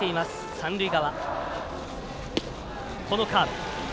三塁側。